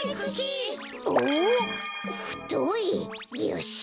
よし。